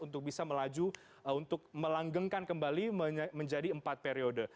untuk bisa melaju untuk melanggengkan kembali menjadi empat periode